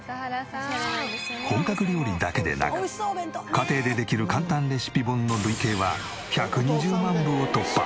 本格料理だけでなく家庭でできる簡単レシピ本の累計は１２０万部を突破。